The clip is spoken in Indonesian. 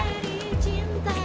bukan yang udah ya